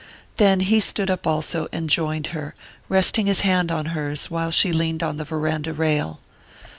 Then he stood up also and joined her, resting his hand on hers while she leaned on the verandah rail.